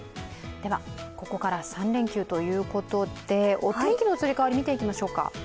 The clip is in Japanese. では、ここからは３連休ということで、お天気の移り変わり、見ていきましょう。